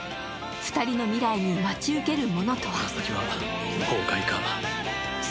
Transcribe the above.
２人の未来に待ち受けるものとは？